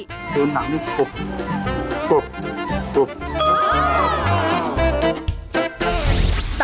ตัวหนังนี่ปุ๊บปุ๊บปุ๊บ